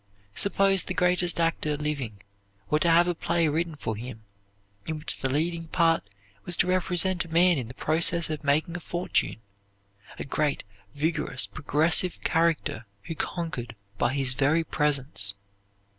Suppose the greatest actor living were to have a play written for him in which the leading part was to represent a man in the process of making a fortune a great, vigorous, progressive character, who conquered by his very presence.